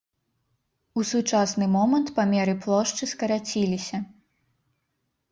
У сучасны момант памеры плошчы скарацілася.